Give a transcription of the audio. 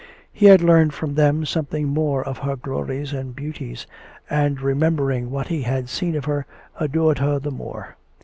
He had learned from them something more of her glories and beauties, and remembering what he had seen of her, adored her the more.